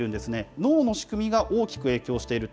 脳の仕組みが大きく影響していると。